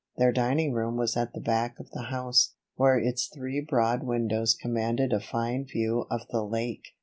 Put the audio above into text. Their dining room was at the back of the house, where its three broad windows commanded a fine view of the lake.